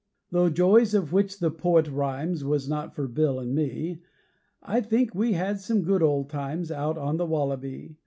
Though joys of which the poet rhymes Was not for Bill an' me, I think we had some good old times Out on the wallaby.